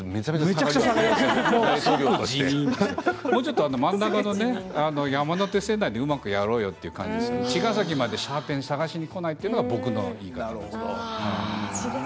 もうちょっと真ん中の山手線内でうまくやろうよって言うんですが茅ヶ崎までシャーペン探しに行こうよというのが僕の言い方です。